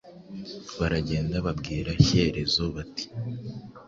Baragenda babwira Shyerezo bati: